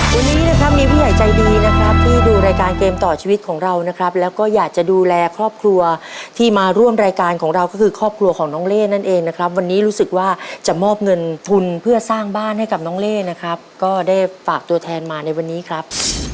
วันนี้นะครับมีผู้ใหญ่ใจดีนะครับที่ดูรายการเกมต่อชีวิตของเรานะครับแล้วก็อยากจะดูแลครอบครัวที่มาร่วมรายการของเราก็คือครอบครัวของน้องเล่นั่นเองนะครับวันนี้รู้สึกว่าจะมอบเงินทุนเพื่อสร้างบ้านให้กับน้องเล่นะครับก็ได้ฝากตัวแทนมาในวันนี้ครับ